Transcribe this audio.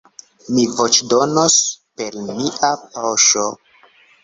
Mi voĉdonos per mia poŝo.